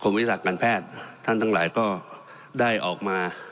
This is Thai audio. วิทยาศาสตร์การแพทย์ท่านทั้งหลายก็ได้ออกมา